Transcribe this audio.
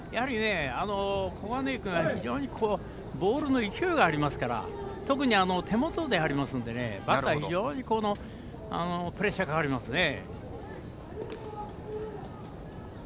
小金井君はボールに勢いがありますから特に手元でやりますのでバッター非常にプレッシャーかかりますね。